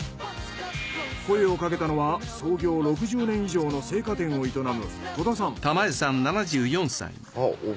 声をかけたのは創業６０年以上の生花店を営む戸田さん。